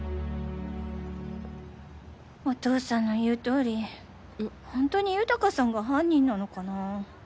お父さんの言うとおり本当に豊さんが犯人なのかなぁ？